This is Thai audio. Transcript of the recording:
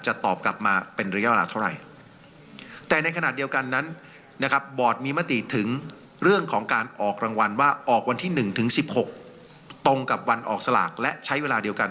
จะตอบกลับมาเป็นระยะวะลาเท่าไหร่